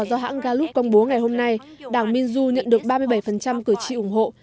do hãng gallup công bố ngày hôm nay đảng minsu nhận được ba mươi bảy cử trị ủng hộ